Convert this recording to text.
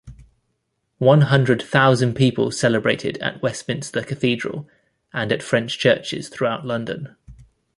One-hundred thousand people celebrated at Westminster Cathedral, and at French churches throughout London.